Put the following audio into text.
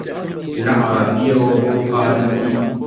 لە عەرەبییەوە بۆ فارسی